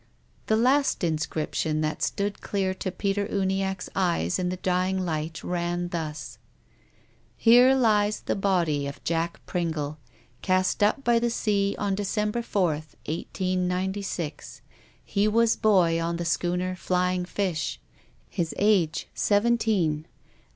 The last inscription that stood clear to Peter Uniacke's eyes in the dying light ran thus :" Here lies the body of Jack Pringlc, cast up by the sea on December 4th, 1S96. He was boy on the schooner ' Flying Fish.' His age seventeen.